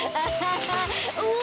うわ！